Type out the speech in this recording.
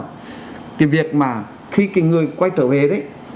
cái việc mà khi cái người quay trở về đấy